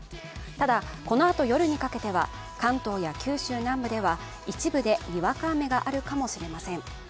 ただ、このあと夜にかけては関東や九州南部では一部でにわか雨があるかもしれません。